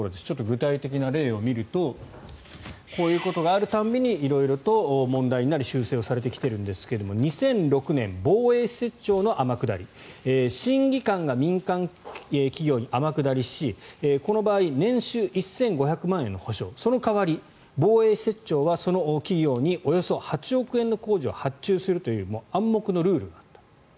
具体的な例を見るとこういうことがある度に色々と修正されてきているんですが２００６年、防衛施設庁の天下り審議官が民間企業に天下りしこの場合年収１５００万円の保証その代わり防衛施設庁はその企業におよそ８億円の工事を発注するという暗黙のルールがあった。